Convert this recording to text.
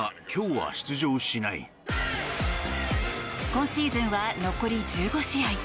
今シーズンは残り１５試合。